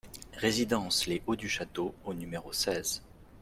Résidence les Hauts du Château au numéro seize